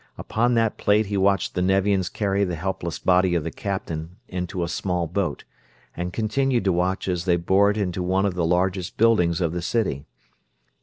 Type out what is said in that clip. Upon that plate he watched the Nevians carry the helpless body of the captain into a small boat, and continued to watch as they bore it into one of the largest buildings of the city.